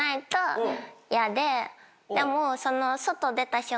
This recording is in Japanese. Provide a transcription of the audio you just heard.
でも。